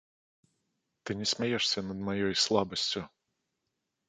Ты не смяешся над маёй слабасцю.